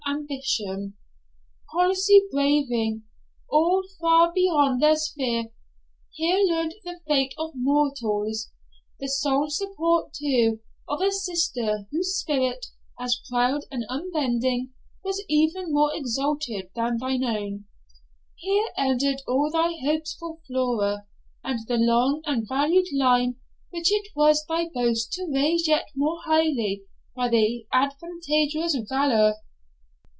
Ambition, policy, bravery, all far beyond their sphere, here learned the fate of mortals. The sole support, too, of a sister whose spirit, as proud and unbending, was even more exalted than thine own; here ended all thy hopes for Flora, and the long and valued line which it was thy boast to raise yet more highly by thy adventurous valour!'